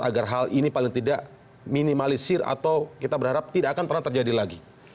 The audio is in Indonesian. agar hal ini paling tidak minimalisir atau kita berharap tidak akan pernah terjadi lagi